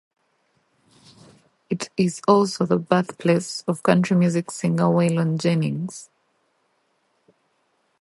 It is also the birth place of country music singer Waylon Jennings.